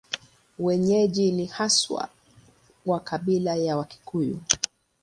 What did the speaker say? Wenyeji ni haswa wa kabila la Wakikuyu.